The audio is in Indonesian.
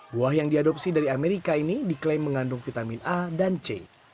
buah yang diadopsi dari amerika ini diklaim mengandung vitamin a dan c